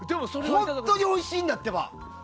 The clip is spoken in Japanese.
本当においしいんだってば！